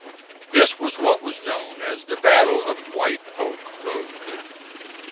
This was what was known as the Battle of White Oak Road.